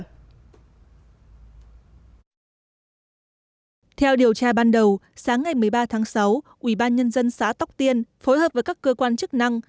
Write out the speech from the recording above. theo điều tra ban đầu sáng ngày một mươi ba tháng sáu ubnd xã tóc tiên phối hợp với các cơ quan chức năng